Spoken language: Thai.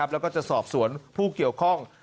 แล้วก็จะสอบสวนผู้เกี่ยวข้อง